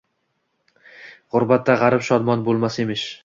„G‘urbatda g‘arib shodmon bo‘lmas emish